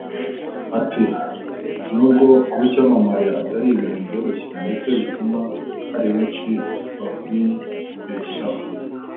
Ati “Nubwo kuba icyamamare atari ibintu byoroshye ndetse bituma hari benshi bakwibeshyaho